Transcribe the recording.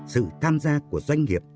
sự tham gia của doanh nghiệp